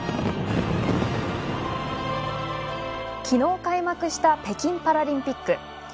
昨日、開幕した北京パラリンピック。